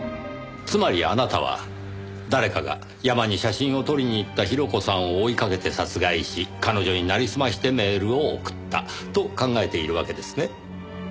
つまりあなたは誰かが山に写真を撮りに行った広子さんを追いかけて殺害し彼女になりすましてメールを送ったと考えているわけですね？